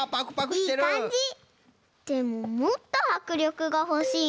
でももっとはくりょくがほしいな。